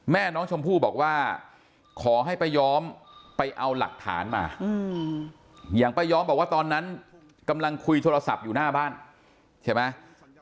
แม่น้องชมพู่บอกว่าขอให้ป้าย้อมไปเอาหลักฐานมาอย่างป้าย้อมบอกว่าตอนนั้นกำลังคุยโทรศัพท์อยู่หน้าบ้านใช่ไหม